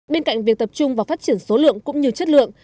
bên cạnh việc tập trung vào phát triển số lượng cũng như chất lượng